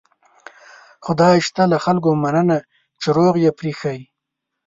خدای شته له خلکو مننه چې روغ یې پرېښي.